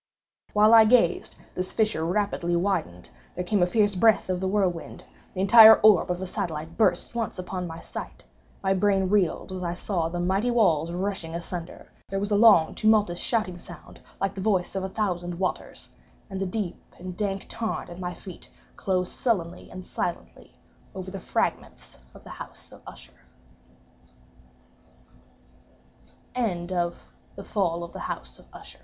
While I gazed, this fissure rapidly widened—there came a fierce breath of the whirlwind—the entire orb of the satellite burst at once upon my sight—my brain reeled as I saw the mighty walls rushing asunder—there was a long tumultuous shouting sound like the voice of a thousand waters—and the deep and dank tarn at my feet closed sullenly and silently over the fragments of the "House of Usher." SILENCE—A FABLE "The mountain pinnac